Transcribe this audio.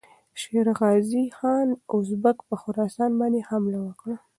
شېرغازي خان اوزبک پر خراسان باندې حمله وکړه.